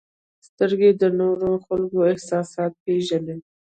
• سترګې د نورو خلکو احساسات پېژني.